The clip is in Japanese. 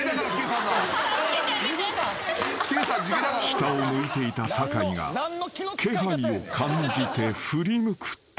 ［下を向いていた酒井が気配を感じて振り向くと］